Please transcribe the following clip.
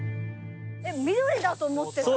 緑だと思ってた。